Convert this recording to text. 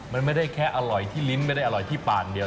มันไม่ได้แค่อร่อยที่ลิ้นไม่ได้อร่อยที่ปากเดียว